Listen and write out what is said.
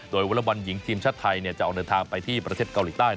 โดยวอลบอลหญิงทีมชาติไทยจะออกเดินทางไปที่ประเทศเกาหลีใต้